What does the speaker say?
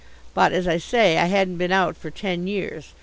But, as I say, I hadn't been out for ten years.